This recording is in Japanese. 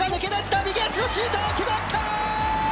右足のシュート決まった。